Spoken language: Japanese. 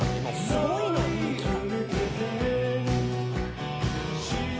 すごいの人気が」